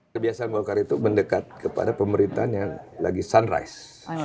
kebiasaan golkar itu mendekat kepada pemerintahan yang lagi sunrise